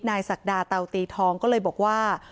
ศักดาเตาตีทองก็เลยบอกว่า